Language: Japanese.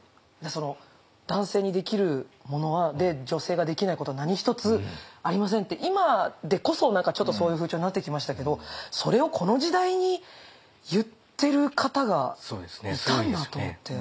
男性にできるもので女性ができないことは何一つありませんって今でこそちょっとそういう風潮になってきましたけどそれをこの時代に言ってる方がいたんだと思って。